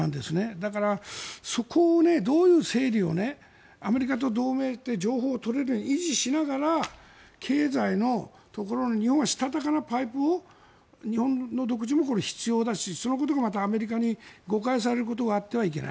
だから、そこをどういう整理をアメリカと同盟で情報を取れるように維持しながら経済のところの日本はしたたかなパイプも必要だしそのことがまたアメリカに誤解されるようなことがあってはいけない。